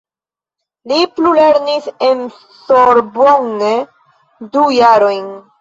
Li plulernis en Sorbonne du jarojn.